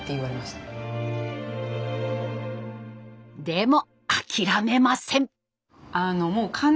でも諦めません。